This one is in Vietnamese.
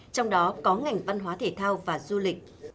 trong đó có ngành văn hóa thể thao và du lịch